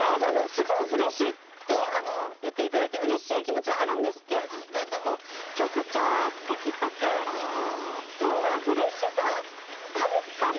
すごいフレッシュと言っていただいてうれしい気持ちはあるんですけれども曲調的とかにも全然フレッシュさあるかな？